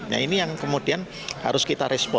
nah ini yang kemudian harus kita respon